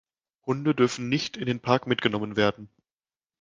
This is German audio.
Hunde dürfen nicht in den Park mitgenommen werden.